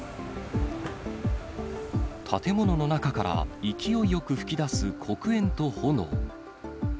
建物の中から勢いよく噴き出す黒煙と炎。